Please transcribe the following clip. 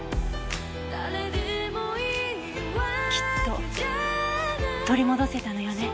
きっと取り戻せたのよね。